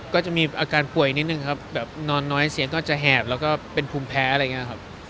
ก็จะมีอาการป่วยนิดนึงครับแบบนอนน้อยเสียงก็จะแหบแล้วก็เป็นภูมิแพ้อะไรอย่างนี้ครับ